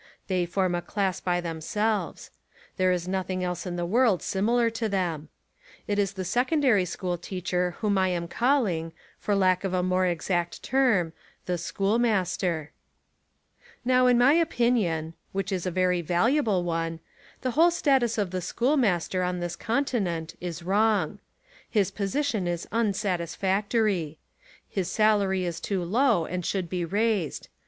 They form a class by them selves. There is nothing else in the world simi lar to them. It is the secondary school teacher whom I am calling, for lack of a more exact term, the "schoolmaster." Now in my opinion (which is a very valu able one) the whole status of the schoolmaster on this continent is wrong. His position is unsatisfactory. His salary is too low and should be raised.